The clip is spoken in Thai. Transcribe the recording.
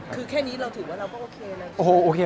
คือแค่นี้เราถือว่าเราก็โอเคแล้ว